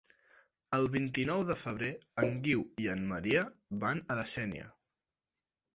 El vint-i-nou de febrer en Guiu i en Maria van a la Sénia.